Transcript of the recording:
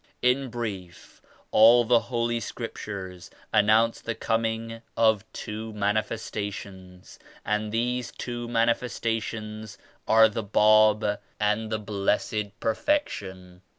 In brief, all the Holy Scriptures announce the Coming of two Manifestations and these two Manifestations are the Bab and the Blessed Perfection.